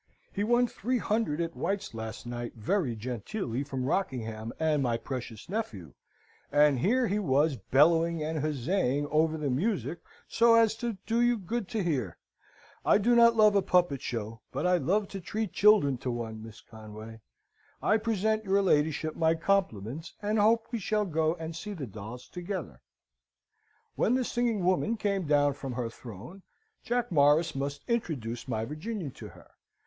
He won three hundred at White's last night very genteelly from Rockingham and my precious nephew, and here he was bellowing and huzzaying over the music so as to do you good to hear. I do not love a puppet show, but I love to treat children to one, Miss Conway! I present your ladyship my compliments, and hope we shall go and see the dolls together. "When the singing woman came down from her throne, Jack Morris must introduce my Virginian to her.